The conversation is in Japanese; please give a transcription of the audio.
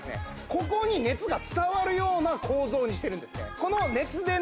ここに熱が伝わるような構造にしてるんですね